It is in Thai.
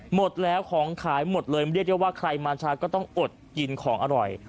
หมดแล้วของขายหมดเลยเรียกได้ว่าใครมาช้าก็ต้องอดกินของอร่อย